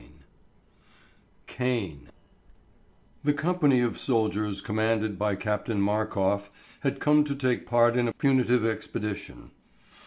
XV CAIN The company of soldiers commanded by Captain Markof had come to take part in a punitive expedition.